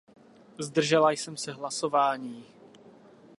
Zdržela jsem se hlasování.